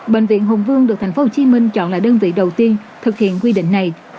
bệnh viện hồng vương được thành phố hồ chí minh chọn là đơn vị đầu tiên thực hiện quy định này